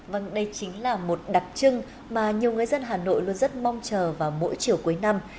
vâng đây chính là một đặc trưng mà nhiều người dân hà nội luôn rất mong chờ vào mỗi chiều cuối năm